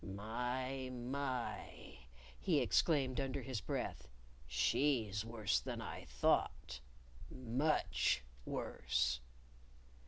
"My! My!" he exclaimed under his breath. "She's worse than I thought! much worse."